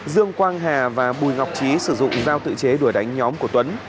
dương quang hà và bùi ngọc trí sử dụng dao tự chế đuổi đánh nhóm của tuấn